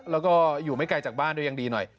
แล้วก็อยู่ไม่ไกลจากบ้านด้วยยังดีหน่อย